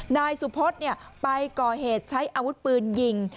นายสุพศไปก่อเหตุใช้อาวุธปืนยิง